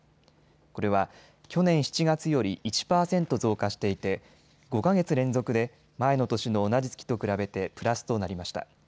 これは去年７月より１％増加していて５か月連続で前の年の同じ月と比べてプラスとなりました。